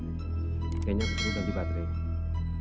kayaknya aku perlu ganti baterai